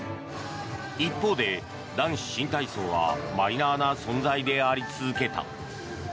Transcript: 一方で男子新体操はマイナーな存在であり続けた。